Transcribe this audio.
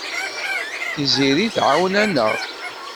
Tiziri tɛawen-aneɣ.